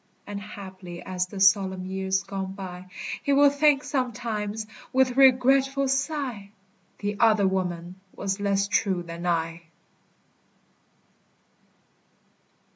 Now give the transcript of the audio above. And haply as the solemn years go by, He will think sometimes, with regretful sigh, The other woman was less true than I.